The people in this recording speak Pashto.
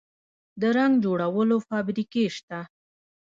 د رنګ جوړولو فابریکې شته